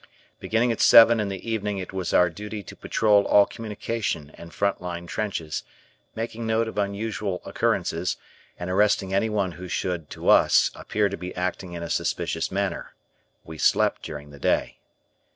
Beginning at seven in the evening it was our duty to patrol all communication and front line trenches, making note of unusual occurrences, and arresting anyone who should, to us, appear to be acting in a suspicious manner. We slept during the day.